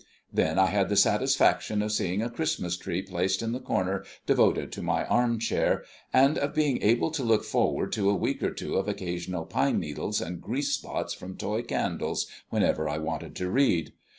Then I had the satisfaction of seeing a Christmas tree placed in the corner devoted to my armchair, and of being able to look forward to a week or two of occasional pine needles and grease spots from toy candles whenever I wanted to read.